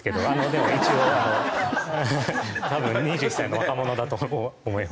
でも一応多分２１歳の若者だと思います。